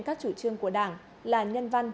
các chủ trương của đảng là nhân văn